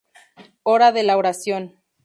Hora de la oración.